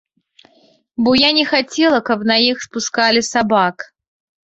Бо я не хацела, каб на іх спускалі сабак.